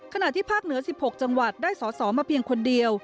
ที่ภาคเหนือ๑๖จังหวัดได้สอสอมาเพียงคนเดียว